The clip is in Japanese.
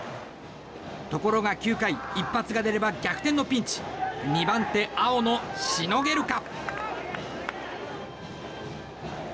ところが９回一発が出れば逆転のピンチ２番手、青野しのげるか。